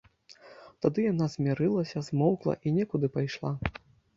Тады яна змірылася, змоўкла і некуды пайшла.